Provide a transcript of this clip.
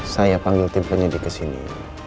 saya panggil tipe jadi kesini